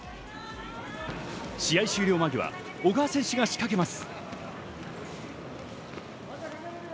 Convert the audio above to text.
試合終了間際、小川選手が仕掛けます。